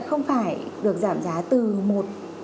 không phải được giảm giá từ một